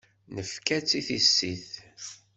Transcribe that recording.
Nefka-tt i tissit.